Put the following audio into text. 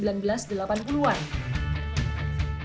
pengalaman yang paling menarik adalah